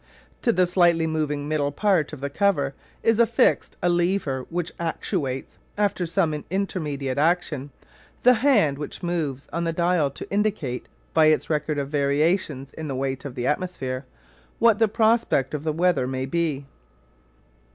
To the slightly moving middle part of the cover is affixed a lever which actuates, after some intermediate action, the hand which moves on the dial to indicate, by its record of variations in the weight of the atmosphere, what the prospect of the weather may be.